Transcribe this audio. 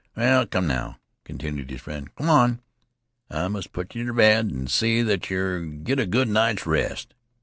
"Well, come, now," continued his friend, "come on. I must put yeh t' bed an' see that yeh git a good night's rest."